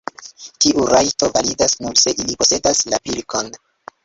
Tiu rajto validas, nur se ili posedas la pilkon.